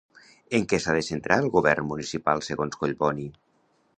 En què s'ha de centrar el govern municipal segons Collboni?